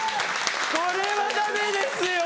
これはダメですよ！